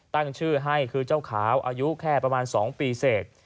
ตั้งชื่อให้คือเจ้าขาวอายุแค่๒ปีเสก